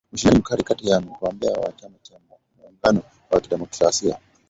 Ushindani ni mkali kati ya mgombea wa chama cha Muungano wa kidemokrasia